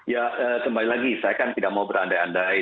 ya kembali lagi saya kan tidak mau berandai andai